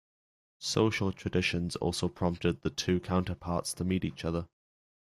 Social traditions also prompted the two counterparts to meet each other.